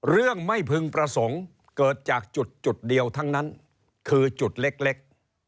เรื่องไม่พึงประสงค์เกิดจากจุดเดียวทั้งนั้นคือจุดเล็ก